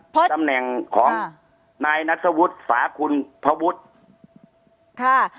ตำแหน่งของค่ะนายนักศวุฒิษาคุณพระวุฒิค่ะ